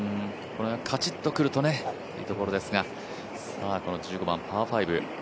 カチッとくるといいところですが、１５番、パー５。